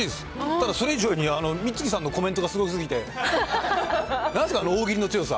ただ、それ以上に美月さんのコメントがすごすぎて、なんすか、あの大喜利の強さ。